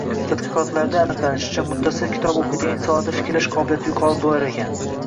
Tadqiqotlarda aniqlanishicha, muttasil kitob o‘qiydigan insonlarda fikrlash qobiliyati yuqori bo‘lar ekan.